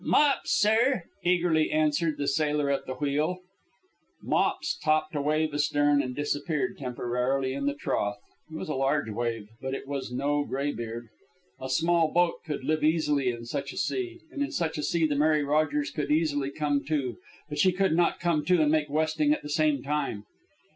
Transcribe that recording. "Mops, sir," eagerly answered the sailor at the wheel. Mops topped a wave astern and disappeared temporarily in the trough. It was a large wave, but it was no graybeard. A small boat could live easily in such a sea, and in such a sea the Mary Rogers could easily come to. But she could not come to and make westing at the same time.